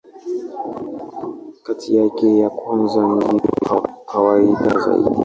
Kati yake, ya kwanza ndiyo ya kawaida zaidi.